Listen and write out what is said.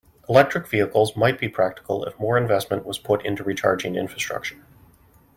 Electric Vehicles might be practical if more investment was put into recharging infrastructure.